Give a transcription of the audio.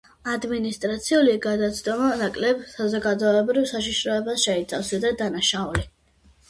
ადმინისტრაციული გადაცდომა ნაკლებ საზოგადოებრივ საშიშროებას შეიცავს, ვიდრე დანაშაული.